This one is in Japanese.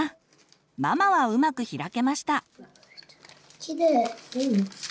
ママはうまく開けました。